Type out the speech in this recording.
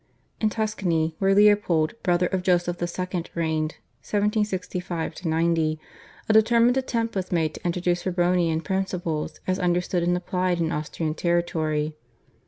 In Tuscany where Leopold, brother of Joseph II., reigned (1765 90), a determined attempt was made to introduce Febronian principles as understood and applied in Austrian territory.